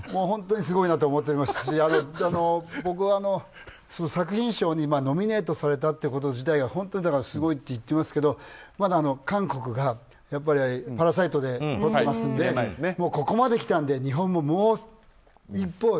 本当にすごいなと思っていますし僕は作品賞にノミネートされたということ自体が本当にすごいって言っていますけど韓国が「パラサイト」でとってますのでここまで来たので日本ももう一歩